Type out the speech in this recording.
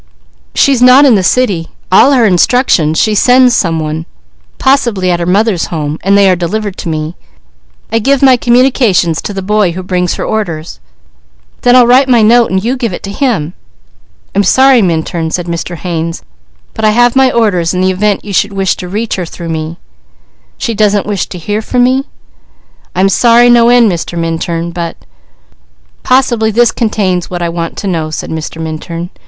She's not in the city, all her instructions she sends some one, possibly at her mother's home, and they are delivered to me. I give my communications to the boy who brings her orders." "Then I'll write my note and you give it to him." "I'm sorry Minturn," said Mr. Haynes, "but I have my orders in the event you should wish to reach her through me." "She doesn't wish to hear from me?" "I'm sorry no end, Mr. Minturn, but " "Possibly this contains what I want to know," said Mr. Minturn.